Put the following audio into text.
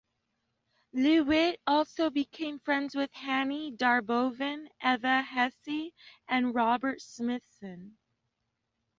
LeWitt also became friends with Hanne Darboven, Eva Hesse, and Robert Smithson.